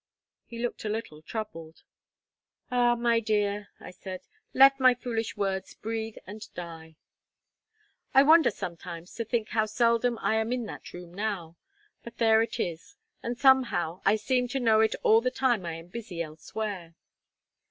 He looked a little troubled. "Ah, my dear!" I said, "let my foolish words breathe and die." I wonder sometimes to think how seldom I am in that room now. But there it is; and somehow I seem to know it all the time I am busy elsewhere.